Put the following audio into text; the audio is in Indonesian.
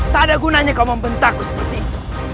tak ada gunanya kau membentakku seperti ini